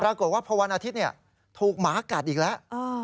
ปรากฏว่าพอวันอาทิตย์ถูกหมากัดอีกแล้ว